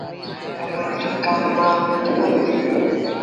سڀ اٺ کآݩ ڏآه پيٽ ويٚآمي ديٚ۔